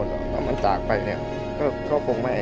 แล้วมันจากไปเนี่ยก็คงไม่